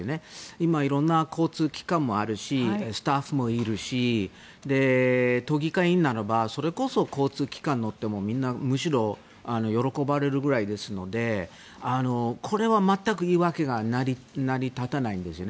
今、色んな交通機関もあるしスタッフもいるし都議会議員ならばそれこそ交通機関に乗ってもみんなむしろ喜ばれるぐらいですのでこれは全く言い訳が成り立たないんですね。